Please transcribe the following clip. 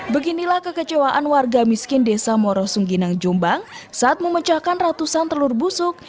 beginilah kekecewaan warga miskin desa morosungginang jombang saat memecahkan ratusan telur busuk